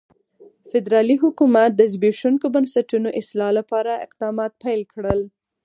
فدرالي حکومت د زبېښونکو بنسټونو اصلاح لپاره اقدامات پیل کړل.